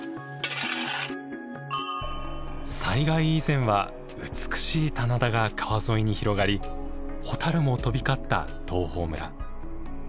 災害以前は美しい棚田が川沿いに広がり蛍も飛び交った東峰村。